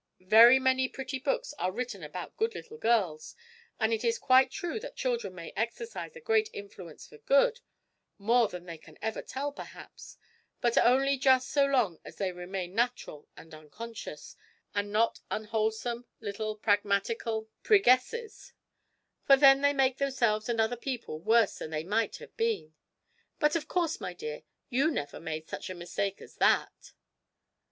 Very many pretty books are written about good little girls, and it is quite true that children may exercise a great influence for good more than they can ever tell, perhaps but only just so long as they remain natural and unconscious, and not unwholesome little pragmatical prigesses; for then they make themselves and other people worse than they might have been. But of course, my dear, you never made such a mistake as that!'